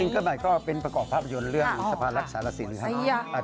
ซิงเกิ้ลใหม่ก็เป็นประกอบพระบัติยุทธิ์เรื่องสภาลักษณ์รักษณะศิลป์